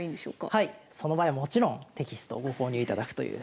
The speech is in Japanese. はいその場合はもちろんテキストをご購入いただくという。